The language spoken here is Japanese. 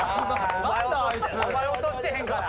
お前落としてへんから。